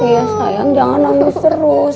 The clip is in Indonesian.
ya sayang jangan habis terus